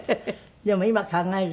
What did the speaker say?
でも今考えると。